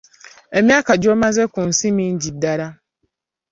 Emyaka gy’omaze ku nsi mingi ddala.